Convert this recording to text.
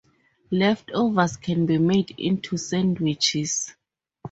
Leftovers can be made into sandwiches.